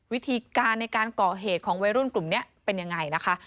วิธีการในการก่อเหตุของวัยรุ่นกลุ่มนี้เป็นยังไงนะคะ